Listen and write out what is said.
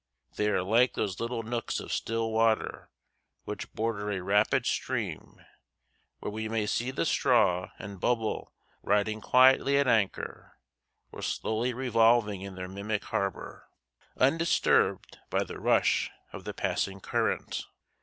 They are like those little nooks of still water which border a rapid stream where we may see the straw and bubble riding quietly at anchor or slowly revolving in their mimic harbor, undisturbed by the rush of the passing current.